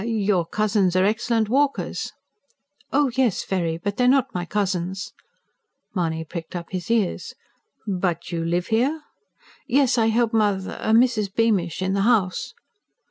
"Your cousins are excellent walkers." "Oh, yes, very. But they are not my cousins." Mahony pricked up his ears. "But you live here?" "Yes. I help moth ... Mrs. Beamish in the house."